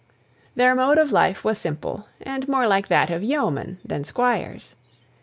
Their mode of life was simple, and more like that of yeomen than squires.